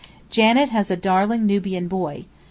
Janet has a darling Nubian boy.